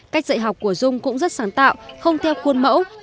cách dạy học của dung cũng rất sáng tạo không theo khuôn mẫu